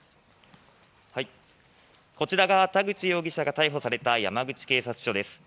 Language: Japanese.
こちらが田口容疑者が逮捕された山口警察署です。